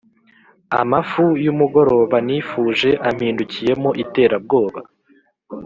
amafu y’umugoroba nifuje, ampindukiyemo iterabwoba.